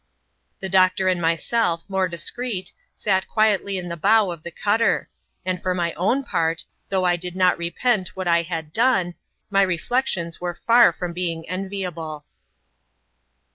The doctor and myself, more discreet, sat quietly in the bow of the cutter ; and for my own part, though I did not repent what I had done, my reflections were far from being enviable.